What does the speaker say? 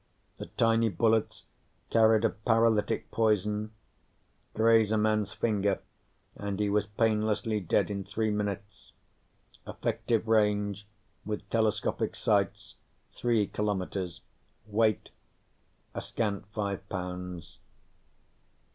The tiny bullets carried a paralytic poison: graze a man's finger and he was painlessly dead in three minutes. Effective range, with telescopic sights, three kilometers; weight, a scant five pounds.